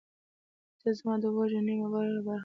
• ته زما د وجود نیمه بله برخه یې.